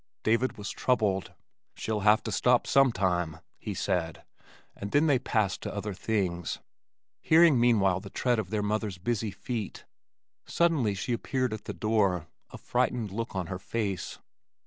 David was troubled. "She'll have to stop sometime," he said, and then they passed to other things, hearing meanwhile the tread of their mother's busy feet. Suddenly she appeared at the door, a frightened look on her face.